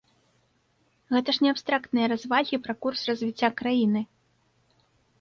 Гэта ж не абстрактныя развагі пра курс развіцця краіны!